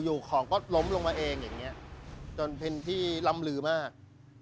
อยู่ของก็ล้มลงมาเองอย่างเงี้ยจนเป็นที่ล่ำลือมาก